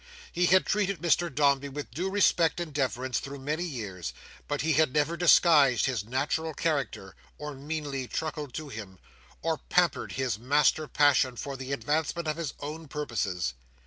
He had treated Mr Dombey with due respect and deference through many years, but he had never disguised his natural character, or meanly truckled to him, or pampered his master passion for the advancement of his own purposes.